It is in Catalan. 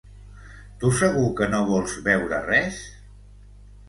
Tu segur que no vols beure res?